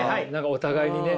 お互いにね。